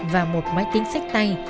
và một máy tính sách tay